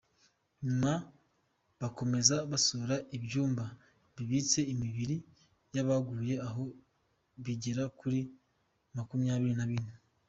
Nyuma bakomeza basura ibyumba bibitse imibiri yabaguye aho bigera kuri makumyabiri na bine.